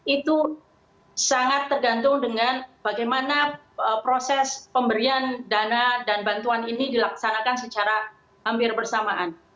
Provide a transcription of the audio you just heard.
itu sangat tergantung dengan bagaimana proses pemberian dana dan bantuan ini dilaksanakan secara hampir bersamaan